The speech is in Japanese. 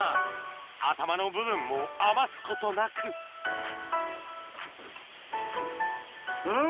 頭の部分も余すことなくうん！